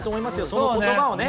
その言葉をね。